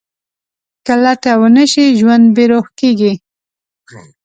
که لټه ونه شي، ژوند بېروح کېږي.